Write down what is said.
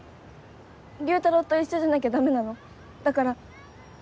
竜太郎と一緒じゃなきゃダメなのだから。